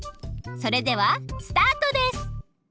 それではスタートです！